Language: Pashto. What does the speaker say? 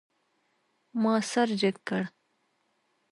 ما سر جګ کړ.